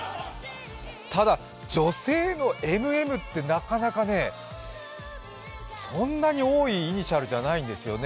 ただ女性のＭＭってそんなに多いイニシャルじゃないんですよね。